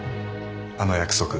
あの約束